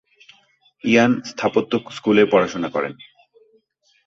ইয়ান স্থাপত্য স্কুলে পড়াশুনা করেন।